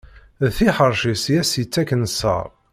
D tiḥerci-s i as-yettaken sser.